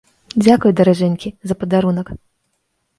Дзякуй, даражэнькі, за падарунак!